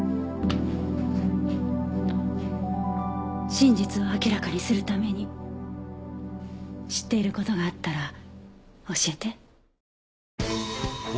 真実を明らかにするために知っている事があったら教えて。